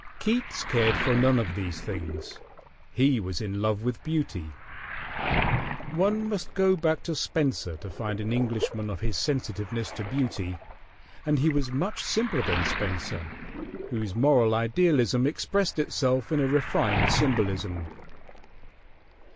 Keats cared for none of these things: he was in love with beauty. One must go back to Spenser to find an Englishman of his sensitiveness to beauty, and he was much simpler than Spenser, whose moral idealism expressed itself in a refined symbolism.